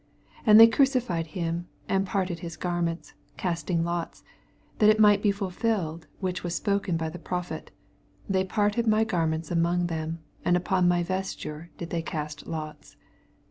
35 And they crucified him, and parted his garments, casting lots : that it might be ftilfilled which spoken by the prophet, They parted my garments among them, ana npon my vesture did they cast lots.